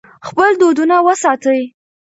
خپل دودونه وساتئ.